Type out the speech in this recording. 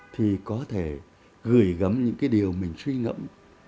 thì có thể gửi gắm những cái điều mình suy ngẫm